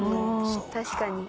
確かに。